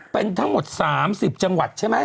เป็นทั้งหมด๓๐จังหวัดใช่ไหม